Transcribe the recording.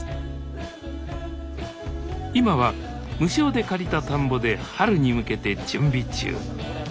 今は無償で借りた田んぼで春に向けて準備中。